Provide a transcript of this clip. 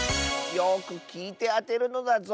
よくきいてあてるのだぞ。